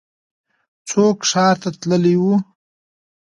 څوک ښار ته تللی و؟